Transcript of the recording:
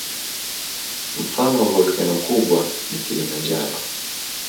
Mfano wa volkeno kubwa ni Kilimanjaro.